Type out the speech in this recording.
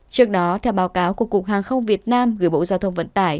trước đó theo báo cáo của cục hàng không việt nam gửi bộ giao thông vận tải